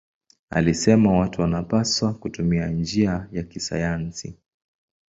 Alisema watu wanapaswa kutumia njia ya kisayansi.